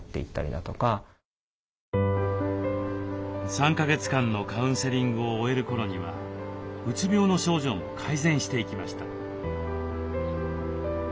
３か月間のカウンセリングを終える頃にはうつ病の症状も改善していきました。